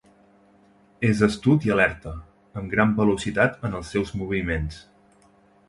És astut i alerta, amb gran velocitat en els seus moviments.